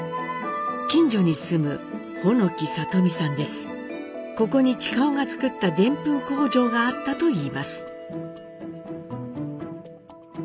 近所に住むここに親男がつくったでんぷん工場があったといいます。